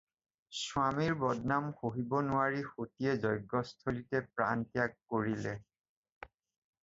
স্বামীৰ বদনাম সহিব নোৱাৰি সতীয়ে যজ্ঞস্থলীতে প্ৰাণত্যাগ কৰিলে।